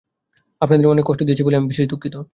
আপনাদের অনেক কষ্ট দিয়েছি বলে আমি বিশেষ দুঃখিত।